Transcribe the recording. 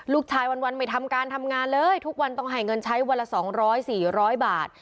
วันไม่ทำการทำงานเลยทุกวันต้องให้เงินใช้วันละ๒๐๐๔๐๐บาท